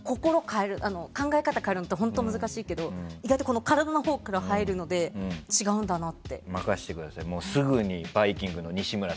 考え方を変えるってすごく難しいけど意外と、体のほうから入るので違うんだなって。